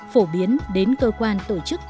phổ biến đến cơ quan tổ chức